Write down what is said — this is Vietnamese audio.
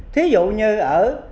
thí dụ như ở